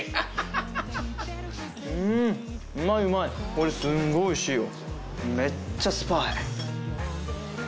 これすんごいおいしいよ。